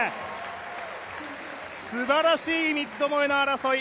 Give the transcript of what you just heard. すばらしい三つどもえの戦い。